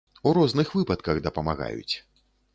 У розных выпадках дапамагаюць.